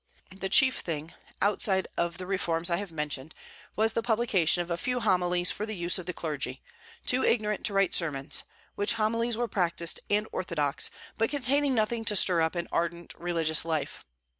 The chief thing, outside of the reforms I have mentioned, was the publication of a few homilies for the use of the clergy, too ignorant to write sermons, which homilies were practical and orthodox, but containing nothing to stir up an ardent religious life.